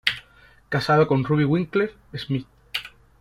Casado con "Ruby Winkler Schmidt".